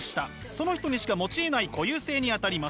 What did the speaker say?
その人にしか持ちえない固有性にあたります。